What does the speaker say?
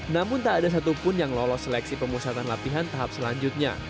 namun tak ada satupun yang lolos seleksi pemusatan latihan tahap selanjutnya